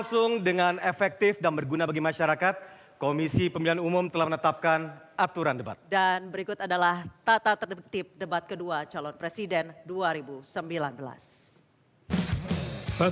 sepertinya kita akan cerita lotr data tertib orang asas millsileng